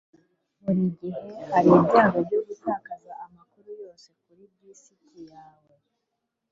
burigihe hariho ibyago byo gutakaza amakuru yose kuri disiki yawe